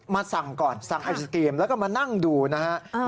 สั่งก่อนสั่งไอศกรีมแล้วก็มานั่งดูนะฮะ